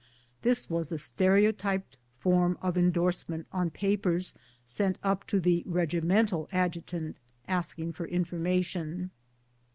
This was the ster eotyped form of endorsement on papers sent up to the GARRISON LIFE. 141 regimental adjutant asking for information.